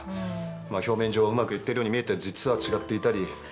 まあ表面上はうまくいってるように見えて実は違っていたり。